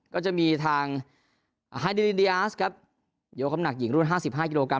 ก็จะมีทางครับยกคำหนักหญิงรุ่นห้าสิบห้ากิโลกรัม